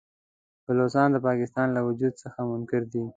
بلوڅان د پاکستان له وجود څخه منکر دي.